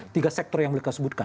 tiga sektor yang boleh kita sebutkan